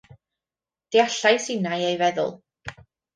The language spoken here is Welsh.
Deallais innau ei feddwl.